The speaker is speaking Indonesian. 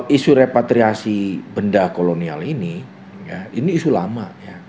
isu repatriasi benda kolonial ini ini isu lama